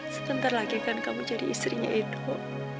sebentar lagi kan kamu jadi istrinya itu